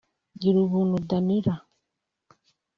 Girubuntu Danila